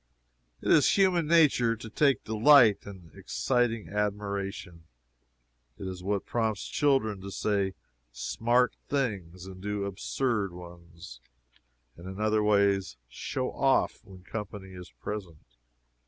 It is human nature to take delight in exciting admiration. It is what prompts children to say "smart" things, and do absurd ones, and in other ways "show off" when company is present.